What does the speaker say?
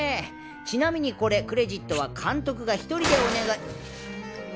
ちなみにこれクレジットは監督が１人でお願い。